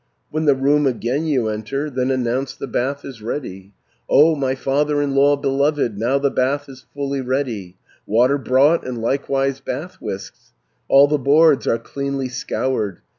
360 "When the room again you enter, Then announce the bath is ready: 'O my father in law beloved, Now the bath is fully ready: Water brought, and likewise bath whisks, All the boards are cleanly scoured.